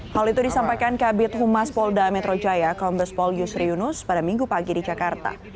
hal itu disampaikan kabit humas polda metro jaya kombes pol yusri yunus pada minggu pagi di jakarta